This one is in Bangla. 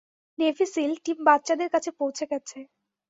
নেভি সীল টিম বাচ্চাদের কাছে পৌঁছে গেছে।